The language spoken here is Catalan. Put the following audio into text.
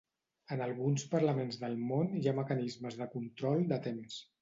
En alguns parlaments del món hi ha mecanismes de control de temps.